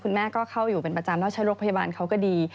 แม่ก็เข้าอยู่เป็นประจำแล้วใช้โรงพยาบาลเขาก็ดี